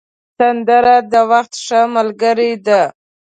سندره د وخت ښه ملګرې ده